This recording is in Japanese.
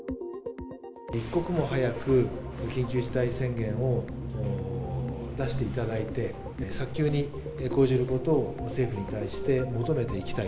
一刻も早く、緊急事態宣言を出していただいて、早急に講じることを政府に対して求めていきたい。